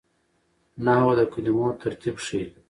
نحوه د کلمو ترتیب ښيي.